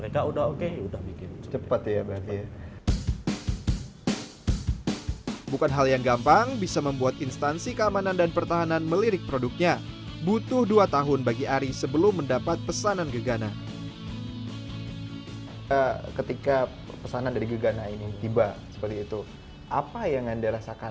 ketika pesanan dari gegana ini tiba seperti itu apa yang anda rasakan